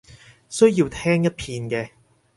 需要聽一遍嘅